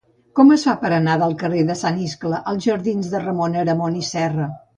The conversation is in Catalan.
Com es fa per anar del carrer de Sant Iscle als jardins de Ramon Aramon i Serra?